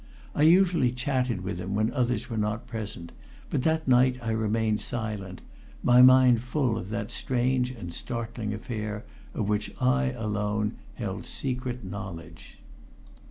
I usually chatted with him when others were not present, but that night I remained silent, my mind full of that strange and startling affair of which I alone held secret knowledge.